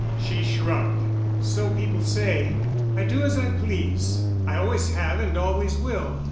She shrugged. "So people say. I do as I please. I always have and always will.